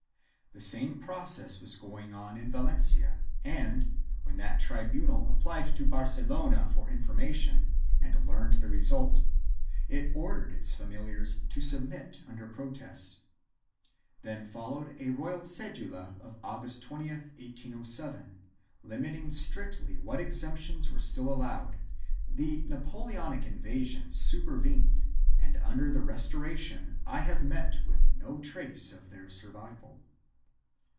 The same process was going on in Valencia and, when that tribunal applied to Barcelona for information and learned the result, it ordered its familiars to submit under protest. Then followed a royal cedula of August 20, 1807, limiting strictly what exemptions were still allowed ; the Napoleonic invasion supervened and under the Restoration I have met with no trace of their survival.